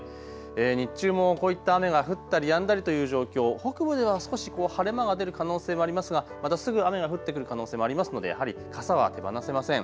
日中もこういった雨が降ったりやんだりという状況、北部では少し晴れ間が出る可能性もありますがまたすぐ雨が降ってくる可能性もありますのでやはり傘は手放せません。